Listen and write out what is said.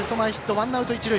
ワンアウト、一塁。